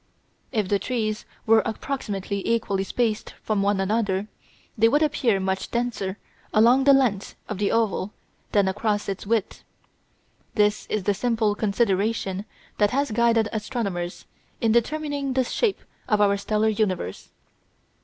If the trees were approximately equally spaced from one another they would appear much denser along the length of the oval than across its width. This is the simple consideration that has guided astronomers in determining the shape of our stellar universe.